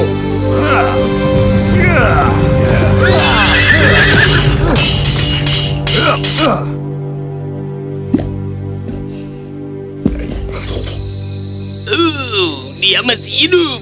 oh dia masih hidup